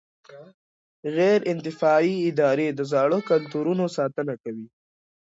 غیر انتفاعي ادارې د زاړه کلتورونو ساتنه کوي.